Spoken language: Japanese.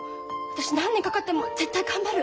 私何年かかっても絶対頑張る！